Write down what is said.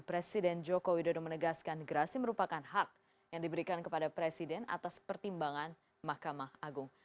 presiden joko widodo menegaskan gerasi merupakan hak yang diberikan kepada presiden atas pertimbangan mahkamah agung